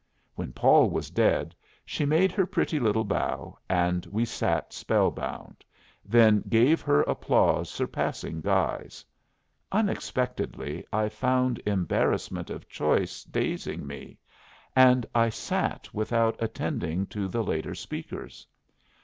When Paul was dead, she made her pretty little bow, and we sat spellbound, then gave her applause surpassing Guy's. Unexpectedly I found embarrassment of choice dazing me, and I sat without attending to the later speakers.